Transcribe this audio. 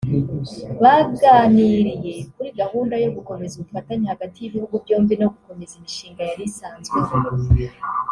Baganiriye kuri gahunda yo gukomeza ubufatanye hagati y’ibihugu byombi no gukomeza imishinga yari isanzweho